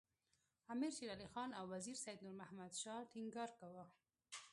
امیر شېر علي خان او وزیر سید نور محمد شاه ټینګار کاوه.